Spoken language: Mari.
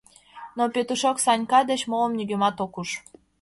Но Петушок Санька деч молым нигӧмат ок уж.